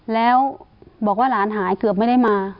แล้วบอกว่าหลานหายเกือบไม่ได้มา